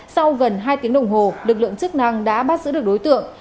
sau gần hai tiếng đồng hồ lực lượng chức năng đã bắt giữ được đối tượng